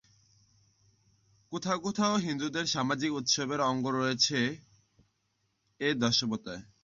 কোথাও কোথাও হিন্দুদের সামাজিক উৎসবেরও অঙ্গ হয়েছে এ দশাবতার।